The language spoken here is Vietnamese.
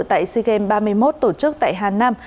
tại sigem ba mươi một tổ chức tại hà nam